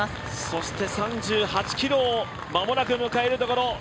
そして３８ｋｍを間もなく迎えるところ。